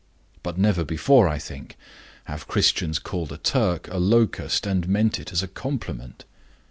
But never before, I think, have Christians called a Turk a locust and meant it as a compliment.